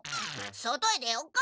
外へ出よっか！